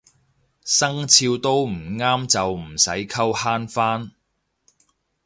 生肖都唔啱就唔使溝慳返